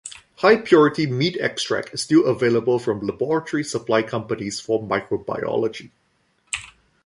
High purity meat extract is still available from laboratory supply companies for microbiology.